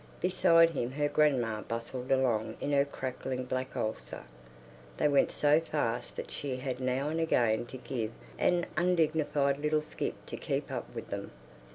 Beside him her grandma bustled along in her crackling black ulster; they went so fast that she had now and again to give an undignified little skip to keep up with them.